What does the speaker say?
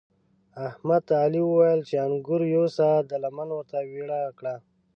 احمد ته علي وويل چې انګور یوسه؛ ده لمن ورته ويړه کړه.